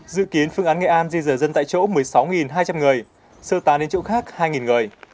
dự kiến phương án nghệ an di rời dân tại chỗ một mươi sáu hai trăm linh người sơ tán đến chỗ khác hai người